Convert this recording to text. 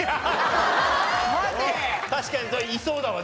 確かにいそうだわな。